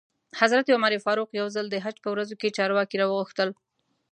حضرت عمر فاروق یو ځل د حج په ورځو کې چارواکي را وغوښتل.